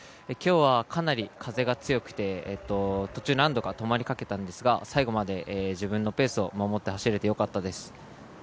今日はかなり風が強くて途中何度か止まりかけたんですが、最後まで自分のペースを守って走れてよかったです。